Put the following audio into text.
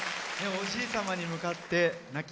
おじい様に向かって亡き。